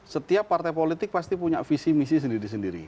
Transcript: setiap partai politik pasti punya visi misi sendiri sendiri